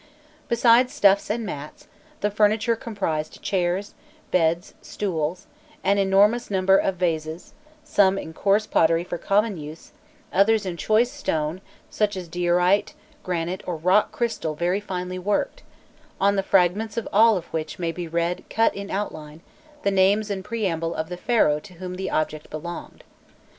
Besides stuffs and mats, the furniture comprised chairs, beds, stools, an enormous number of vases, some in coarse pottery for common use, others in choice stone such as diorite, granite, or rock crystal very finely worked, on the fragments of all of which may be read cut in outline the names and preamble of the Pharaoh to whom the object belonged.